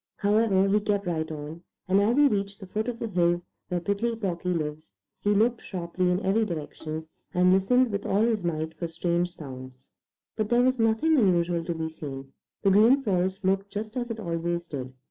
However, he kept right on, and as he reached the foot of the hill where Prickly Porky lives, he looked sharply in every direction and listened with all his might for strange sounds. But there was nothing unusual to be seen. The Green Forest looked just as it always did.